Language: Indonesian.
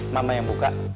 mama yang buka